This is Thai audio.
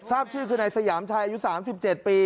ทราบชื่อคือนายสยามชายอายุ๓๗ปี